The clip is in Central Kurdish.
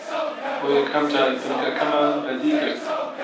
بۆ یەکەم جار بنکەکەمان بەدی کرد